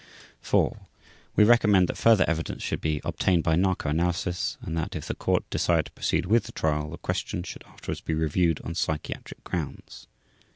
4. We recommend that further evidence should be obtained by narco analysis, and that if the Court decide to proceed with the Trial, the question should afterwards be reviewed on psychiatric grounds.